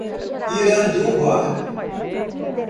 Iranduba